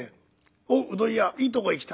『おっうどん屋いいとこへ来た。